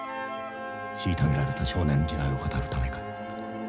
虐げられた少年時代を語るためか？